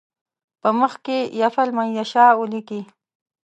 په مخ کې یفل من یشاء لیکي.